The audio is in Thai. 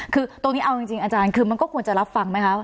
คือตรงนี้เอาจริงอาจารย์คือมันก็ควรจะรับฟังไหมคะ